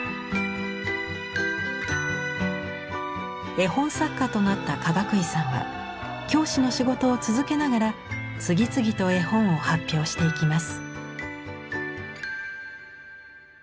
絵本作家となったかがくいさんは教師の仕事を続けながら次々と絵本を発表していきます。